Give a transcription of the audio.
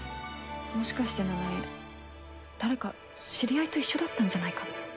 もしかして奈々江誰か知り合いと一緒だったんじゃないかな？